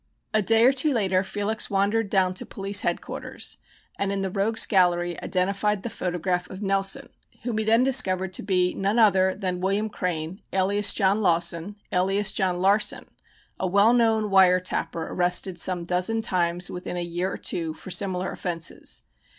A day or two later Felix wandered down to Police Headquarters, and in the Rogue's Gallery identified the photograph of Nelson, whom he then discovered to be none other than William Crane, alias John Lawson, alias John Larsen, a well known "wire tapper," arrested some dozen times within a year or two for similar offences.